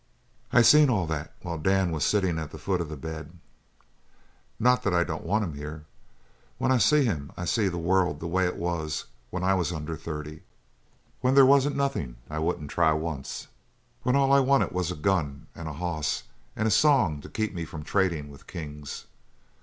"I seen all that, while Dan was sittin' at the foot of the bed. Not that I don't want him here. When I see him I see the world the way it was when I was under thirty. When there wasn't nothin' I wouldn't try once, when all I wanted was a gun and a hoss and a song to keep me from tradin' with kings.